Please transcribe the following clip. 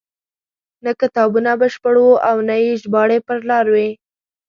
نه کتابونه بشپړ وو او نه یې ژباړې پر لار وې.